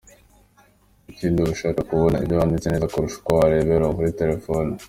Ikindi uba ubasha kubona ibyo wanditse neza kurusha uko warebera kuri telefoni.